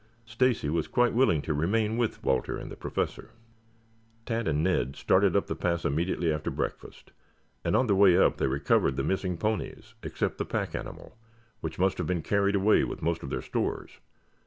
Stacy was quite willing to remain with Walter and the Professor. Tad and Ned started up the pass immediately after breakfast, and on the way up they recovered the missing ponies, except the pack animal, which must have been carried away with most of their stores.